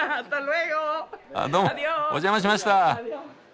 あどうもお邪魔しました。